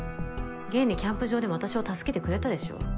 現にキャンプ場でも私を助けてくれたでしょ。